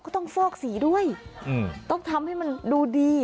ต้องฟอกสีด้วยต้องทำให้มันดูดี